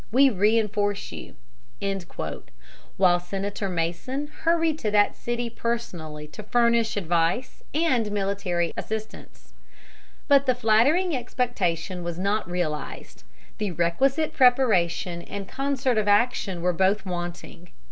We reinforce you"; while Senator Mason hurried to that city personally to furnish advice and military assistance. But the flattering expectation was not realized. The requisite preparation and concert of action were both wanting.